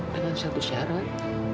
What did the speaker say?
dengan satu syarat